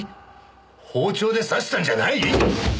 包丁で刺したんじゃない？